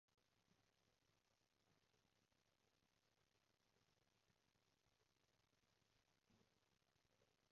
我覺得呢個即係指佢哋喺呢個行業入面地位高，同年紀無關